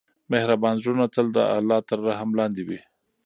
مهربان زړونه تل د الله تر رحم لاندې وي.